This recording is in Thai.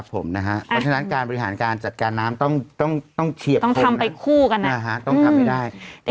เพราะฉะนั้นการบริหารการจัดการน้ำต้องเฉียบต้องทำไปคู่กันนะต้องทำให้ได้